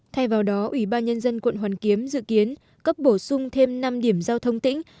thay vào đó ủy ban nhân dân quận hoàn kiếm dự kiến cấp bổ sung thêm năm điểm giao thông tỉnh